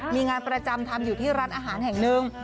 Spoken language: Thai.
มีงานประจำทำอยู่ที่ร้านอาหารแห่งหนึ่ง